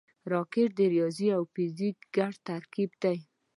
راکټ د ریاضي او فزیک ګډ ترکیب دی